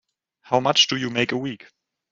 How much do you make a week?